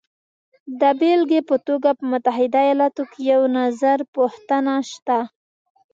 د بېلګې په توګه په متحده ایالاتو کې یو نظرپوښتنه شته